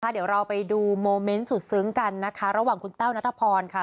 เดี๋ยวเราไปดูโมเมนต์สุดซึ้งกันนะคะระหว่างคุณแต้วนัทพรค่ะ